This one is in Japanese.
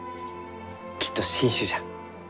きっと新種じゃ。